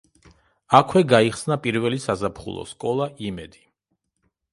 აქვე გაიხსნა პირველი საზაფხულო სკოლა „იმედი“.